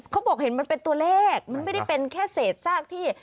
เขาบอกเห็นมันเป็นตัวเลขมันไม่ได้เป็นแค่เศษซากที่